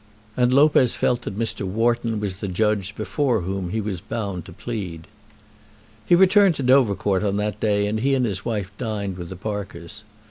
And Lopez felt that Mr. Wharton was the judge before whom he was bound to plead. He returned to Dovercourt on that day, and he and his wife dined with the Parkers.